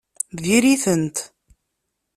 Diri-tent!